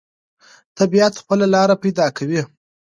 طبیعت خپله لاره پیدا کوي.